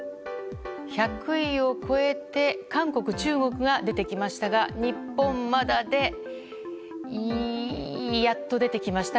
１００位を超えて韓国、中国が出てきましたが日本、やっと出てきました。